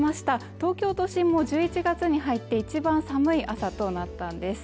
東京都心も１１月に入って一番寒い朝となったんです